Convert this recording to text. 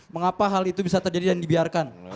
mengapa hal itu bisa terjadi dan dibiarkan